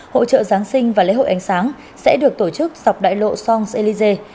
hỗ trợ giáng sinh và lễ hội ánh sáng sẽ được tổ chức dọc đại lộ champs élysées